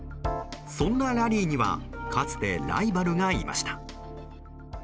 そんなラリーにはかつてライバルがいました。